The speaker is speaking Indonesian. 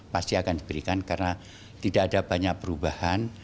pasti akan diberikan karena tidak ada banyak perubahan